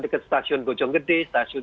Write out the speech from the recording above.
dekat stasiun gojong gede stasiun